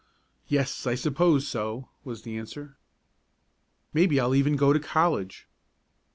"Yes, I suppose so," was the answer. "Maybe I'll even go to college."